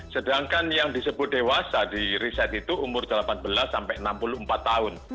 sedangkan yang disebut dewasa di riset itu umur delapan belas sampai enam puluh empat tahun